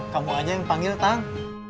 kamu aja yang panggil tan